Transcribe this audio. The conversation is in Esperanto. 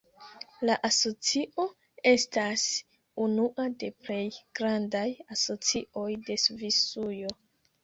La asocio estas unua de plej grandaj asocioj de Svisujo.